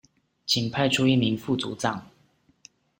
請派出一名副組長